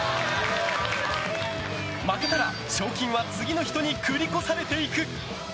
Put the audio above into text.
負けたら、賞金は次の人に繰り越されていく。